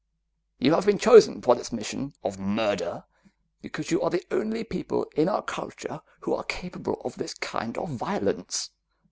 You have been chosen for this mission of murder, because you are the only people in our culture who are capable of this kind of violence.